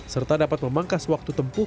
serta dapat memangkas waktu tempuh